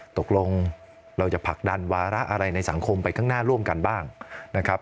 ตกลงเราจะผลักดันวาระอะไรในสังคมไปข้างหน้าร่วมกันบ้างนะครับ